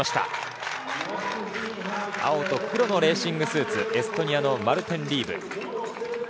青と黒のレーシングスーツエストニアのマルテン・リーブ。